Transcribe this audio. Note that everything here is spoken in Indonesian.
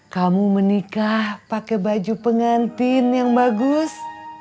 kamu menikah pakai baju pengantin yang bagus